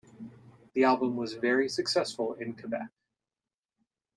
The album was very successful in Quebec.